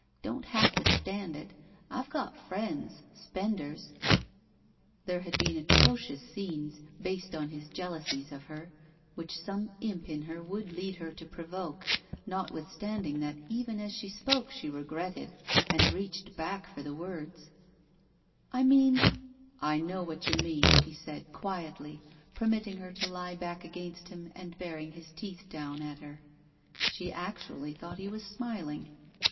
Don't have to stand it. I've got friends — spenders —" There had been atrocious scenes, based on his jealousies of her, which some imp in her would lead her to provoke, notwithstanding that even as she spoke she r^etted, and reached back for the words. 875 ROULETTE cc I mean—" I know what you mean/' he said» qtiietly, per nutting her to lie back against him and baring his teeth down at her. She actually thought he was smiling.